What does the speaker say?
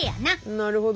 なるほど。